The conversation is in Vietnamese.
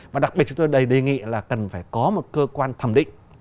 và đặc biệt chúng tôi đầy đề nghị là cần phải có một cơ quan thẩm định